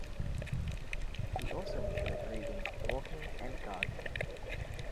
He also enjoys reading, walking, and gardening.